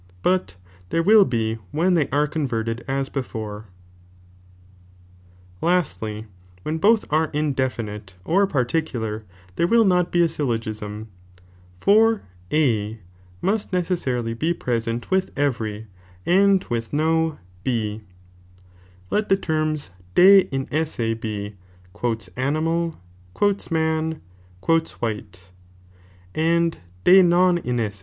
Both puctl there will be when tbey Bre converted as before, cdlu or indea Lnstly, when both are indefinite or particular, """ there will not be a syllogism, for A must neces sarily be present with eveiy and with no B, let the terms de inesae be "animal," "man," "white," and de non in ,„